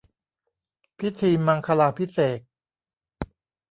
พิธีมังคลาภิเษก